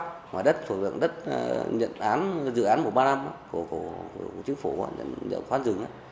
ngoài đất thuộc lượng đất dự án một ba năm của chính phủ khoán rừng